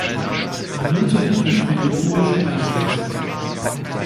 Minute für Fredi Bobic eingewechselt.